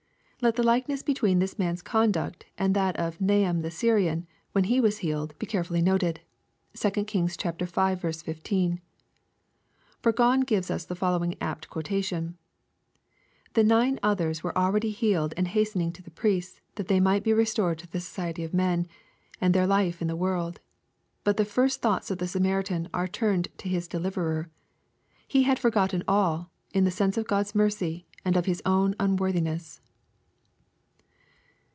"] Let the likeness between this man's conduct and that of Naaman the Syrian, when he was healed, be carefully noted. (2 Kings v. 15.) Burgon gives the following apt quotation: "The nine others were already healed and hastening to the priests, that they might be restored to the society of men, and their life in the world : but the first thoughts of the Samaritan are turned to his deliverer. He had forgotten all, in the sense of Q od's mercy, and of his own unworthiness."